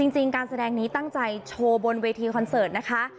การแสดงนี้ตั้งใจโชว์บนเวทีคอนเสิร์ตนะคะ